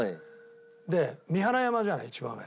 で三原山じゃない一番上。